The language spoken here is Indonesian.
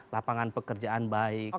lapangan pekerjaan baik